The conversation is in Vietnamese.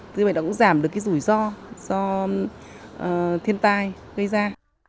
tuy nhiên mình đã giảm được cái rủi ro do thiên tai gây ra